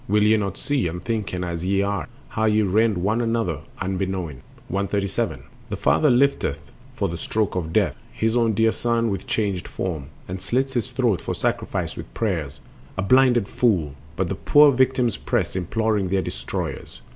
Will ye not see, unthinking as ye are, How ye rend one another unbeknown? 137. The father lifteth for the stroke of death His own dear son within a changed form, And slits his throat for sacrifice with prayers— A blinded fool! But the poor victims press, Imploring their destroyers.